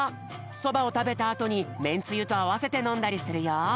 そばをたべたあとにめんつゆとあわせてのんだりするよ！